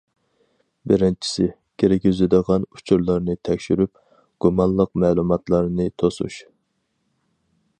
بىرىنچىسى: كىرگۈزىدىغان ئۇچۇرلارنى تەكشۈرۈپ، گۇمانلىق مەلۇماتلارنى توسۇش.